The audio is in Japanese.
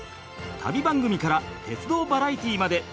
旅番組から鉄道バラエティーまで！